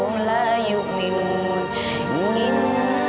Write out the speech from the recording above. udah cepetan cepetan